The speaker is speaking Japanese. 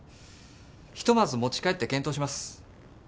ひとまず持ち帰って検討します。